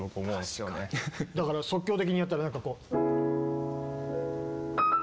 だから即興的にやったらなんかこう。